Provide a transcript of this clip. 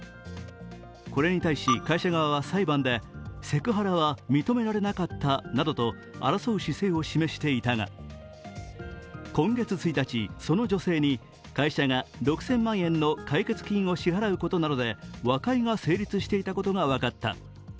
これに対し会社側は裁判でセクハラは認められなかったなどと争う姿勢を示していたが、今月１日、その女性に会社が６０００万円の解決金を支払うことなどで和解が成立していたことが分かった。